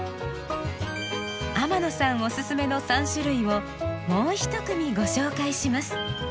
天野さんおすすめの３種類をもう１組ご紹介します。